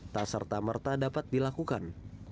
tak serta merta dapat dilakukan